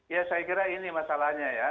ya saya kira ini masalahnya ya